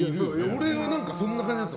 俺はそんな感じだった。